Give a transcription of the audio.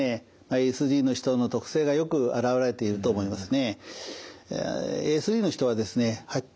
ＡＳＤの人の特性がよく表れていると思いますね。